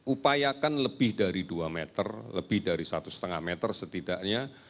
upayakan lebih dari dua meter lebih dari satu lima meter setidaknya